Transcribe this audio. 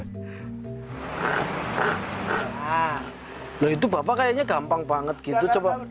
nah itu bapak kayaknya gampang banget gitu